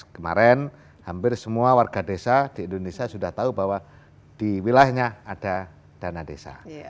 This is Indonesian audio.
kemarin hampir semua warga desa di indonesia sudah tahu bahwa di wilayahnya ada dana desa